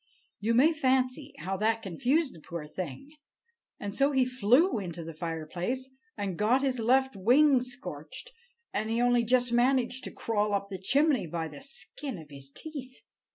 You may fancy how that confused the poor thing! And so he flew into the fireplace, and got his left wing scorched, and he only just managed to crawl up the chimney by the skin of his teeth.